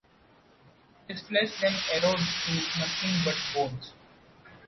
His flesh then erodes to nothing but bones.